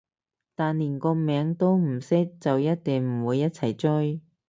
但連個名都唔識就一定唔會一齊追